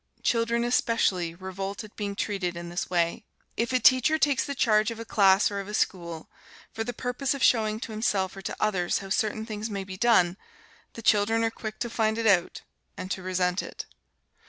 Children especially revolt at being treated in this way. If a teacher takes the charge of a class or of a school, for the purpose of showing to himself or to others how certain things may be done, the children are quick to find it out, and to resent it.